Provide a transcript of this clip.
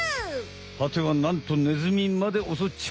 はてはなんとネズミまでおそっちゃう！